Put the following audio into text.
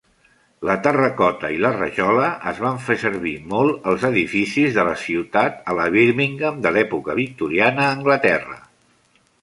La terracota i la rajola es van fer servir molt als edificis de la ciutat a la Birmingham de l'època victoriana, a Anglaterra.